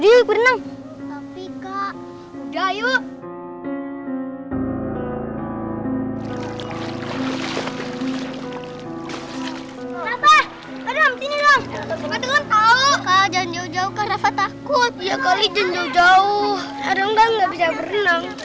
yaudah yuk berenang